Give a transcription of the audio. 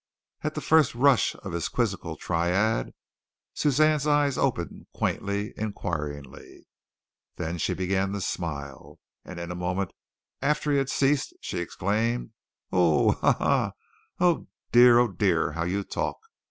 At the first rush of his quizzical tirade Suzanne's eyes opened quaintly, inquiringly. Then she began to smile, and in a moment after he ceased she exclaimed: "Oh, ha! ha! Oh, dear! Oh, dear, how you talk!"